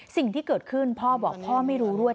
สิ่งที่เกิดขึ้นพ่อบอกพ่อไม่รู้ด้วย